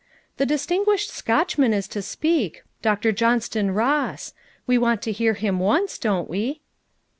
"The distinguished Scotchman is to speak, Dr. Johnston Ross. We want to hear him once, don't we?"